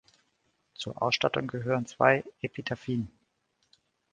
Zur Ausstattung gehören zwei Epitaphien.